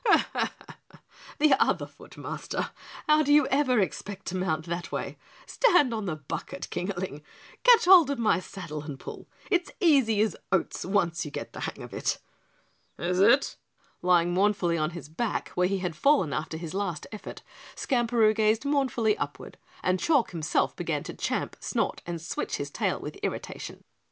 "Heh! Heh! Heh! The other foot, Master. How do you ever expect to mount that way? Stand on the bucket, Kingaling, catch hold of the saddle and pull. It's easy as oats once you get the hang of it." "Is it?" Lying mournfully on his back where he had fallen after his last effort, Skamperoo gazed mournfully upward and Chalk himself began to champ, snort and switch his tail with irritation.